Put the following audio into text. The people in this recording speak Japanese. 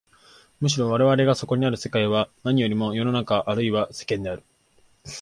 むしろ我々がそこにある世界は何よりも世の中あるいは世間である。